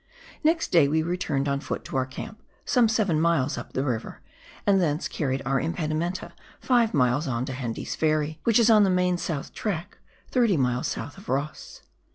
Next day we returned on foot to our camp, some seven miles up the river, and thence carried our impedimenta five miles on to Hende's Ferry, which is on the main south track, 30 miles south of Ross.